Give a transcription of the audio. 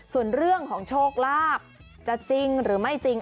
ส่วนเรื่องของโชคลาภจะจริงหรือไม่จริง